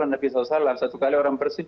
nabi saw satu kali orang bersin